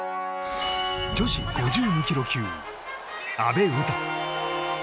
女子５２ｋｇ級阿部詩。